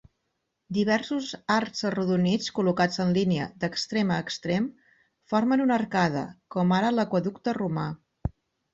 Diversos arcs arrodonits col·locats en línia, d'extrem a extrem, formen una arcada, com ara l'aqüeducte romà.